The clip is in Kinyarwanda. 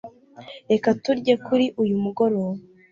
Reka turye kuri uyu mugoroba